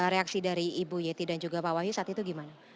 reaksi dari ibu yeti dan juga pak wahyu saat itu gimana